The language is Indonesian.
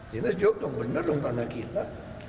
dinas jawab dong benar dong tanah kita